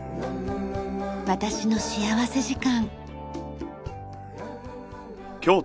『私の幸福時間』。